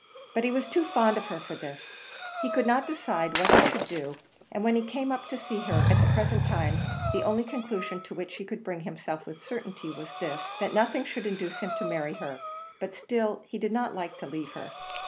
But he was too fond of her for this; he could not decide what he would do; and when he came up to see her at the present time, the only conclusion to which he could bring himself with certainty was this that nothing should induce him to marry her; but still he did not like to leave her.